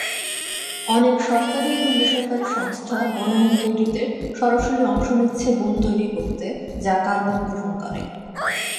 অনেক সরকারি এবং বেসরকারি সংস্থা বনায়ন তৈরিতে সরাসরি অংশ নিচ্ছে বন তৈরি করতে, যা কার্বন গ্রহণ করে।